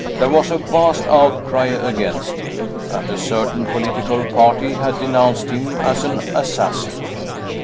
There was a vast outcry against him, and a certain political party had denounced him as an assassin.